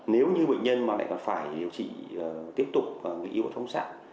nếu như bệnh nhân mà lại phải điều trị tiếp tục người yêu ở thông sạn